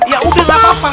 ya udah nggak apa apa